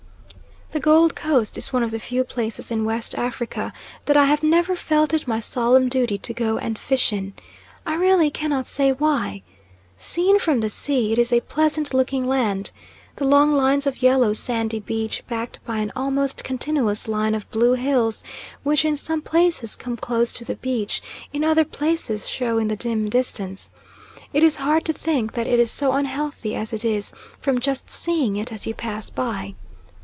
The Gold Coast is one of the few places in West Africa that I have never felt it my solemn duty to go and fish in. I really cannot say why. Seen from the sea it is a pleasant looking land. The long lines of yellow, sandy beach backed by an almost continuous line of blue hills, which in some places come close to the beach, in other places show in the dim distance. It is hard to think that it is so unhealthy as it is, from just seeing it as you pass by.